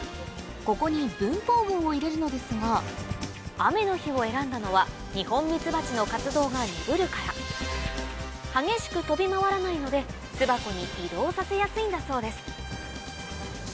ここに分蜂群を入れるのですが雨の日を選んだのはニホンミツバチの活動が鈍るから巣箱に移動させやすいんだそうです